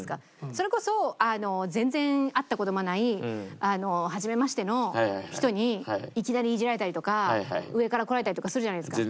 それこそ全然会った事もないはじめましての人にいきなりイジられたりとか上からこられたりとかするじゃないですか。